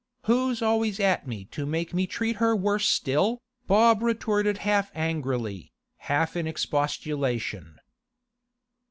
'Who's always at me to make me treat her worse still?' Bob retorted half angrily, half in expostulation.